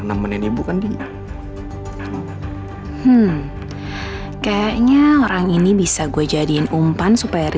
sampai jumpa di video selanjutnya